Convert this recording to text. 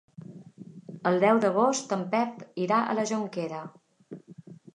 El deu d'agost en Pep irà a la Jonquera.